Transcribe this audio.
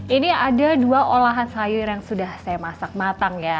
ini ada dua olahan sayur yang sudah saya masak matang ya